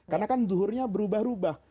karena kan duhurnya berubah rubah